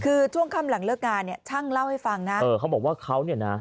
คือช่วงค่ำหลังเลิกงานเนี่ยช่างเล่าให้ฟังนะเออเขาบอกว่าเขาเนี่ยนะ